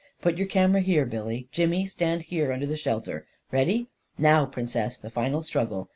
Put your camera here, Billy. Jimmy, stand here under the shelter. Ready ? Now, Prin cess, the final struggle.